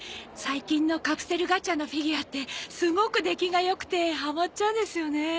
最近のカプセルガチャのフィギュアってすごく出来が良くてハマっちゃうんですよね。